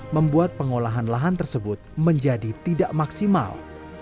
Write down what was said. membuat pengolahan lahan tersebut menjadi tidak maksimal